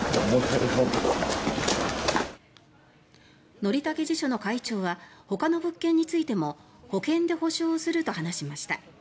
則武地所の会長はほかの物件についても保険で補償をすると話しました。